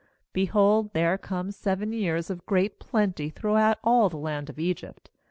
29Behold, there come seven years of great plenty throughout all the land of Egypt.